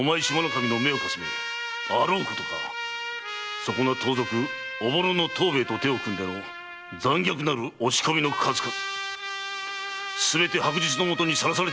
守の目をかすめあろうことかそこな盗賊おぼろの藤兵衛と手を組んでの残虐なる押し込みの数々すべて白日の下に晒されておるぞ！